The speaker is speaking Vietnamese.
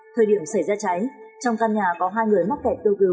thời điểm xảy ra cháy trong căn nhà có hai người mắc kẹt kêu cứu